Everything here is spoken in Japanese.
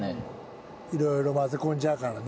いろいろ混ぜ込んじゃうからね。